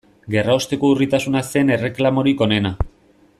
Gerraosteko urritasuna zen erreklamorik onena.